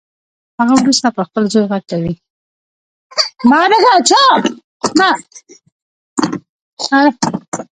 هغه وروسته پر خپل زوی غږ کوي